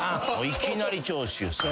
いきなり長州さん。